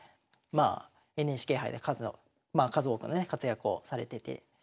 まあＮＨＫ杯で数多くのね活躍をされてて。